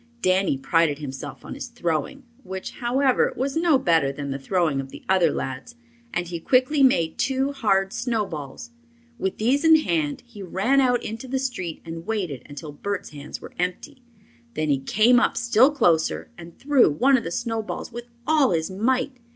Danny prided himself on his throwing, which, however, was no better than the throwing of the other lads, and he quickly made two hard snowballs. With these in hand he ran out into the street and waited until Bert's hands were empty. Then he came up still closer and threw one of the snowballs with all his might.